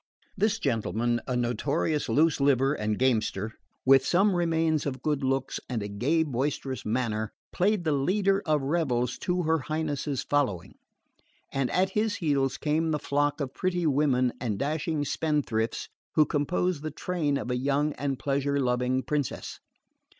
This gentleman, a notorious loose liver and gamester, with some remains of good looks and a gay boisterous manner, played the leader of revels to her Highness's following; and at his heels came the flock of pretty women and dashing spendthrifts who compose the train of a young and pleasure loving princess.